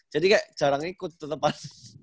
jadi kayak jarang ikut tetepan